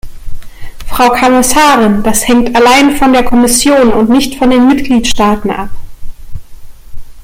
Frau Kommissarin, das hängt allein von der Kommission und nicht von den Mitgliedstaaten ab.